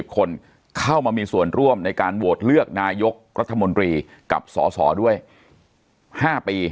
คนเข้ามามีส่วนร่วมในการโหวตเลือกนายกรัฐมนตรีกับสสด้วย๕ปี